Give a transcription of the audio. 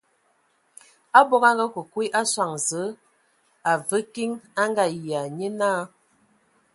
Abog a ngakǝ kwi a sɔŋ Zǝə, a və kiŋ, a Ngayia, nye naa.